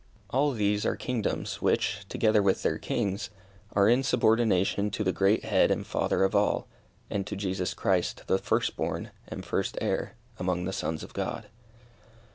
All these are kingdoms which, together with their Kings, are in subordination to the great Head and Father of all, and to Jesus Christ the first born, and first heir, among the sons of God.